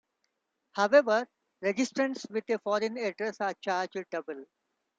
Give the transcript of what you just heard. However, registrants with a foreign address are charged double.